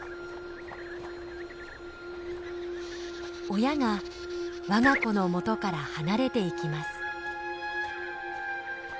親が我が子のもとから離れていきます。